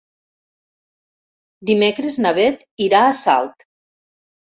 Dimecres na Beth irà a Salt.